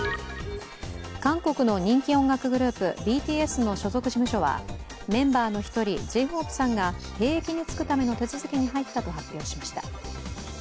韓国の人気音楽グループ、ＢＴＳの所属事務所は、メンバーの１人、Ｊ−ＨＯＰＥさんが兵役に就くための手続きに入ったと発表しました。